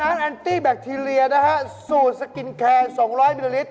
โอ้เดตไม่เท่าไรฟันตองครับ